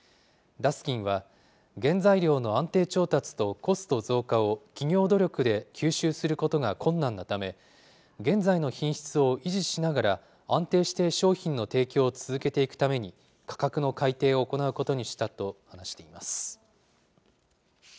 ダスキンは原材料の安定調達とコスト増加を企業努力で吸収することが困難なため、現在の品質を維持しながら、安定して商品の提供を続けていくために、価格の改定を行うことにしたと話しています。